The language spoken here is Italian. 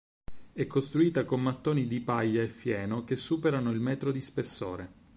È costruita con mattoni di paglia e fieno che superano il metro di spessore.